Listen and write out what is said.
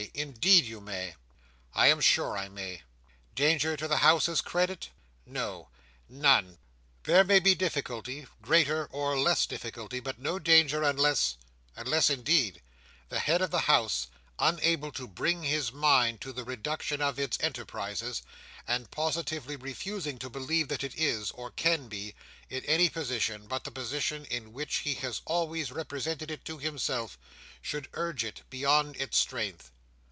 Indeed you may!" "I am sure I may. Danger to the House's credit? No; none There may be difficulty, greater or less difficulty, but no danger, unless—unless, indeed—the head of the House, unable to bring his mind to the reduction of its enterprises, and positively refusing to believe that it is, or can be, in any position but the position in which he has always represented it to himself, should urge it beyond its strength.